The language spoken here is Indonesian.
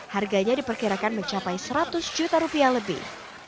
harganya diperkirakan mencapai seratus juta rupiah lebih